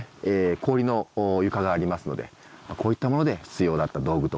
氷の床がありますのでこういったもので必要だった道具とかそういったものをね